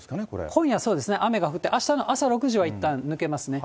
今夜、そうですね、雨が降って、あしたの朝６時はいったん抜けますね。